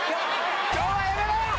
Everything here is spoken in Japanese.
今日はやめろ！